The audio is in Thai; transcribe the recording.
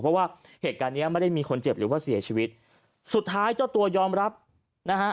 เพราะว่าเหตุการณ์เนี้ยไม่ได้มีคนเจ็บหรือว่าเสียชีวิตสุดท้ายเจ้าตัวยอมรับนะฮะ